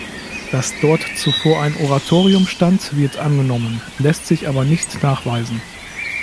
Dass dort zuvor ein Oratorium stand, wird angenommen, lässt sich aber nicht nachweisen.